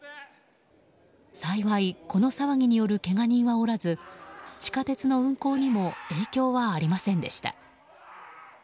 幸い、この騒ぎによるけが人はおらず地下鉄の運行にも影響はありませんでした。